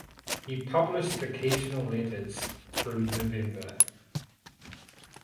He published occasional letters through November.